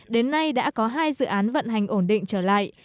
đến nay đã có hai dự án vận hành ổn định trở lại